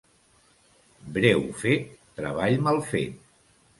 Breu fet, treball mal fet.